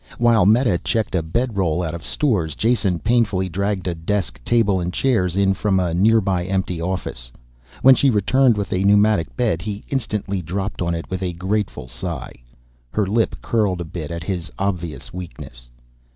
While Meta checked a bed roll out of stores, Jason painfully dragged a desk, table and chairs in from a nearby empty office. When she returned with a pneumatic bed he instantly dropped on it with a grateful sigh. Her lip curled a bit at his obvious weakness.